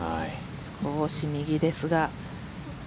少し右ですが。